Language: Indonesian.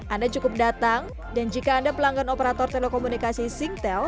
anda cukup datang dan jika anda pelanggan operator telekomunikasi singtel